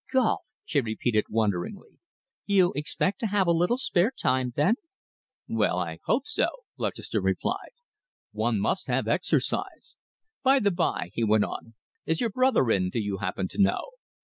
"Golf?" she repeated wonderingly. "You expect to have a little spare time, then?" "Well, I hope so," Lutchester replied. "One must have exercise. By the bye," he went on, "is your brother in, do you happen to know?